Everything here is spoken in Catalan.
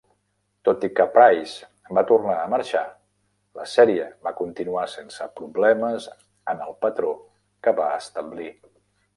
Tot i que Price va tornar a marxar, la sèrie va continuar sense problemes en el patró que va establir.